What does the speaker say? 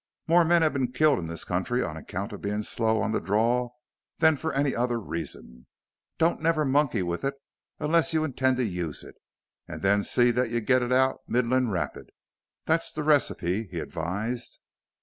"More men have been killed in this country on account of bein' slow on the draw than for any other reason. Don't never monkey with it unless you intend to use it, an' then see that you get it out middlin' rapid. That's the recipe," he advised.